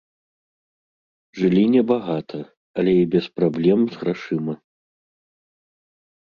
Жылі не багата, але і без праблем з грашыма.